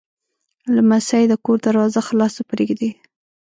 لمسی د کور دروازه خلاصه پرېږدي.